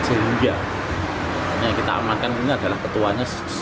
sehingga yang kita amankan ini adalah ketuanya